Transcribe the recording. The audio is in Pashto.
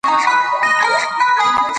ټولنیز واقعیت تر فرد مخکې هم و.